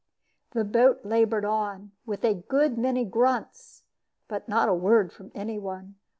The boat labored on, with a good many grunts, but not a word from any one.